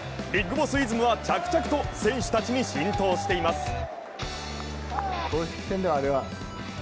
ビッグボスイズムは着々と選手たちに浸透しています。